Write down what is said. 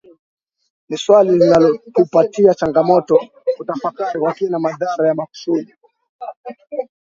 Ni swali linalotupatia changamoto kutafakari kwa kina madhara ya makusudi